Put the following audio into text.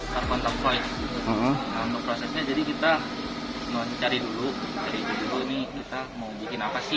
telpon telpon prosesnya jadi kita mencari dulu cari dulu ini kita mau bikin apa sih